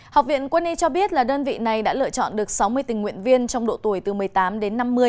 học viện quân y cho biết là đơn vị này đã lựa chọn được sáu mươi tình nguyện viên trong độ tuổi từ một mươi tám đến năm mươi